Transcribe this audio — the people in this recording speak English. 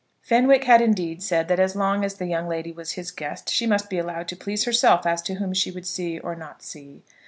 Fenwick had indeed said that as long as the young lady was his guest she must be allowed to please herself as to whom she would see or not see.